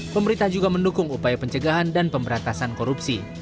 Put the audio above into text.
pemerintah juga mendukung upaya pencegahan dan pemberantasan korupsi